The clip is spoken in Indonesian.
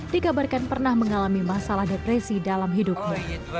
dikabarkan pernah mengalami masalah depresi dalam hidupnya